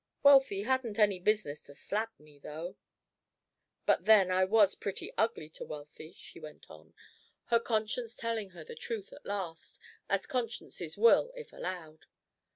Wealthy hadn't any business to slap me, though "But then I was pretty ugly to Wealthy," she went on, her conscience telling her the truth at last, as consciences will, if allowed.